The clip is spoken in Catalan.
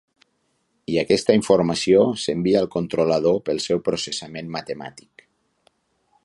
I aquesta informació s’envia al controlador pel seu processament matemàtic.